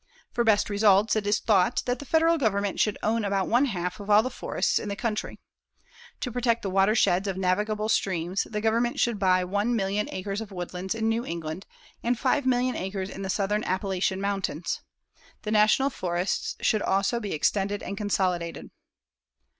For best results, it is thought that the Federal Government should own about one half of all the forests in the country. To protect the watersheds of navigable streams the Government should buy 1,000,000 acres of woodlands in New England and 5,000,000 acres in the southern Appalachian Mountains. The National Forests should also be extended and consolidated.